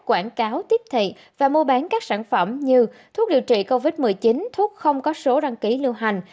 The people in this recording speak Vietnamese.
quảng cáo tiếp thị và mua bán các sản phẩm như thuốc điều trị covid một mươi chín thuốc không có số đăng ký lưu hành